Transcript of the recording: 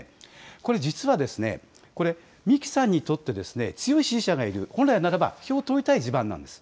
これ、実はこれ、三木さんにとって、強い支持者がいる、本来ならば票を取りたい場所なんです。